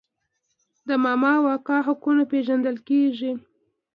د ماما او کاکا حقونه پیژندل کیږي.